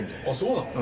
そうなの？